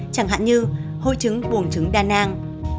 chẳng hạn như hôi trứng buồn trứng đa nang